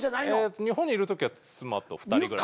日本にいるときは妻と２人暮らし。